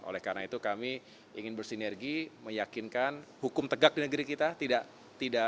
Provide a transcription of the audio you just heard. oleh karena itu kami ingin bersinergi meyakinkan hukum tegak di negeri kita tidak